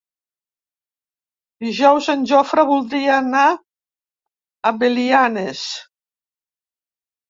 Dijous en Jofre voldria anar a Belianes.